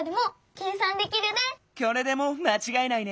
これでもうまちがえないね。